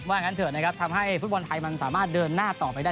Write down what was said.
งั้นเถอะนะครับทำให้ฟุตบอลไทยมันสามารถเดินหน้าต่อไปได้